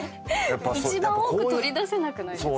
一番奥取り出せなくないですか？